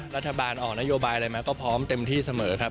รัฐบาลออกนโยบายอะไรมาก็พร้อมเต็มที่เสมอครับ